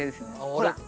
ほら。